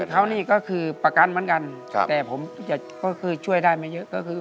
แฟนเค้านี่ก็คือประกันเหมือนกันแต่ผมก็ช่วยได้ไม่เยอะ